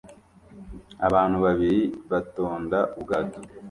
Abantu babiri batonda ubwato